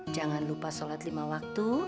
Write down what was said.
jangan lupa sholat lima waktu